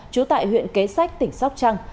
trú tại huyện kế sách tỉnh sóc trăng